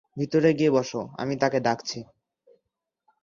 ভিতরে গিয়ে বসো, আমি তাকে ডাকছি।